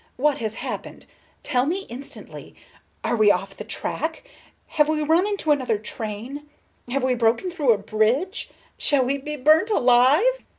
What has happened? Tell me instantly! Are we off the track? Have we run into another train? Have we broken through a bridge? Shall we be burnt alive?